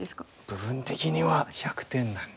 部分的には１００点なんです。